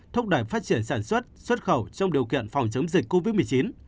thúc đẩy phát triển sản xuất xuất khẩu trong điều kiện phòng chống dịch covid một mươi chín